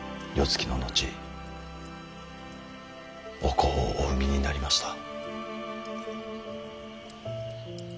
つきの後お子をお産みになりました。